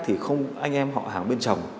thì không anh em họ hàng bên chồng